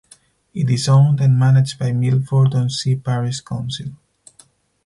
It is owned and managed by Milford On Sea Parish Council.